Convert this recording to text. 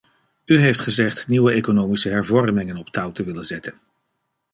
U heeft gezegd nieuwe economische hervormingen op touw te willen zetten.